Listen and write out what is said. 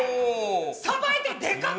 さばいてでかっ！